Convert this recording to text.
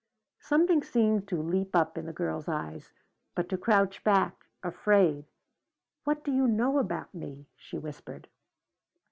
Something seemed to leap up in the girl's eyes, but to crouch back, afraid. "What do you know about me?" she whispered.